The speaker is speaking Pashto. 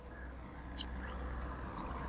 پانګه وال یوازې د خپلو ګټو په لټه کي دي.